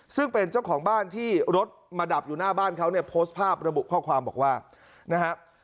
ซึ่งเป็นเจ้าของบ้านที่รถมาดับอยู่หน้าบ้านเขาเนี่ยโพสต์ภาพระบุข้อความบอกว่านะฮะ